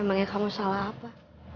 emangnya kamu salah apa